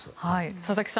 佐々木さん